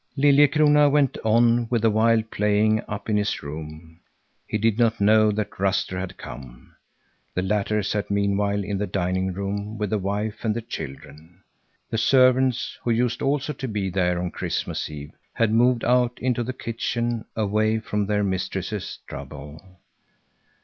Liljekrona went on with the wild playing up in his room; he did not know that Ruster had come. The latter sat meanwhile in the dining room with the wife and the children. The servants, who used also to be there on Christmas Eve, had moved out into the kitchen away from their mistress's trouble.